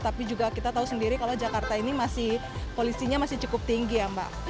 tapi juga kita tahu sendiri kalau jakarta ini masih polisinya masih cukup tinggi ya mbak